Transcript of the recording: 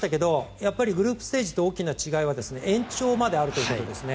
やっぱりグループステージとの大きな違いは延長まであるということですね。